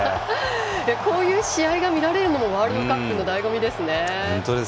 こういう試合が見られるのもワールドカップのだいご味ですね。